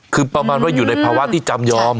คือประมาณว่าอยู่ในภาวะที่จำยอม